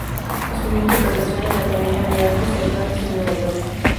Estudió interpretación en la Academia de Artes Teatrales de Nueva York.